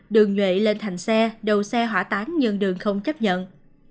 đường nhuệ lên thành xe đầu xe hỏa táng nhưng đường không chấp nhận